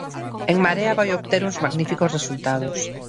En Marea vai obter uns magníficos resultados.